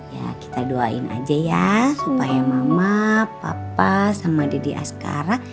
ya kita doain aja ya supaya mama papa sama deddy askara